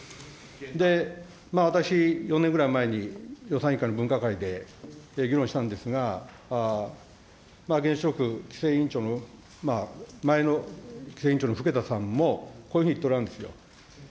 で、私、４年ぐらい前に予算委員会の分科会で議論したんですが、原子力規制委員長の前の規制委員長の更田さんもこういうふうに言っておられるんですよ。